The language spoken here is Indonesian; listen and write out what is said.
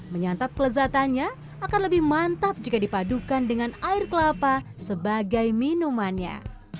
menyantap kelezatannya akan lebih mantap jika dipadukan dengan air kelapa sebagai minumannya